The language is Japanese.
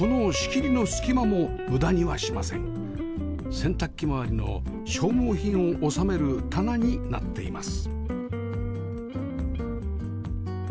洗濯機まわりの消耗品を収める棚になっています